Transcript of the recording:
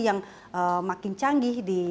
yang makin canggih di